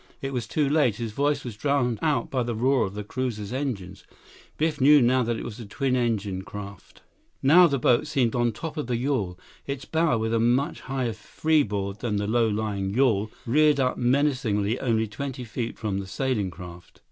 It was too late. His voice was drowned out by the roar of the cruiser's engines—Biff knew now that it was a twin engined craft. Now the boat seemed on top of the yawl. Its bow, with a much higher freeboard than the low lying yawl, reared up menacingly only twenty feet from the sailing craft.